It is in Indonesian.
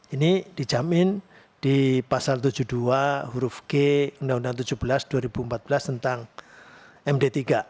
ini dijamin di pasal tujuh puluh dua huruf g undang undang tujuh belas dua ribu empat belas tentang md tiga